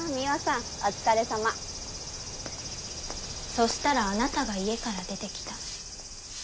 そしたらあなたが家から出てきた。